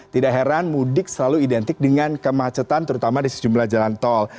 tidak heran mudik selalu identik dengan kemacetan terutama di sejumlah jalan tol